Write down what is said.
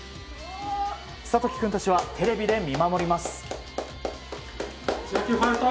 諭樹君たちはテレビで見守ります。